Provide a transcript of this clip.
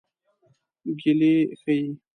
ګیلې ښيي.